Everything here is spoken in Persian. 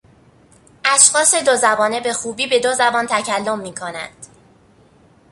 اشخاص دو زبانه به خوبی به دو زبان تکلم میکنند.